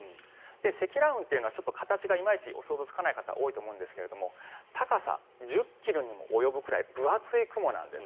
積乱雲っていうのは形が、いまいち想像つかない方が多いと思うんですが高さ１０ｋｍにも及ぶくらい分厚い雲なんです。